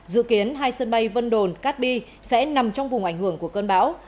dự kiến hai sân bay vân đồn cát bi sẽ nằm trong vùng ảnh hưởng của cơn bão